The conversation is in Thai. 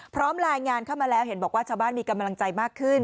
พร้อมรายงานเข้ามาแล้วเห็นบอกว่าชาวบ้านมีกำลังใจมากขึ้น